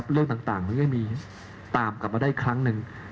เรื่องต่างมันจะมีตามกลับมาได้ครั้งหนึ่ง